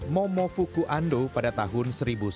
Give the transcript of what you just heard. momo fukuhando pada tahun seribu sembilan ratus lima puluh delapan